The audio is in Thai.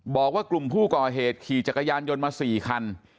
บอกว่ากลุ่มผู้ก่อเหตุขี่จักรยานยนต์มา๔คัน